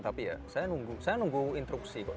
tapi ya saya nunggu instruksi kok